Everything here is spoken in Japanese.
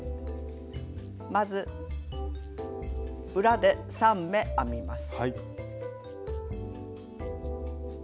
まず裏で３目編みます。